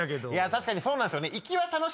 確かにそうなんですよね。